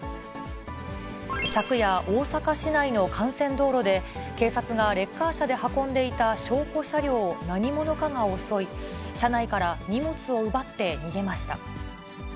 昨夜、大阪市内の幹線道路で、警察がレッカー車で運んでいた証拠車両を何者かが襲い、車内から荷物を奪って逃げました。